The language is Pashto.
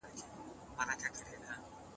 په هره میاشت کې روژه نیول ثواب لري.